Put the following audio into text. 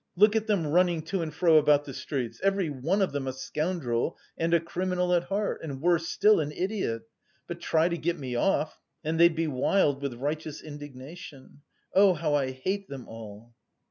Look at them running to and fro about the streets, every one of them a scoundrel and a criminal at heart and, worse still, an idiot. But try to get me off and they'd be wild with righteous indignation. Oh, how I hate them all!"